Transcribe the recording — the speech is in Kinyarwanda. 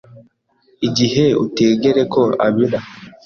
Igihe utegere ko abira